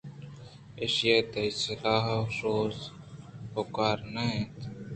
ایشی ءَ تئی سلاہ ءُشور پکار نہ اِنت